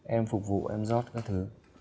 em phục vụ em rót các thứ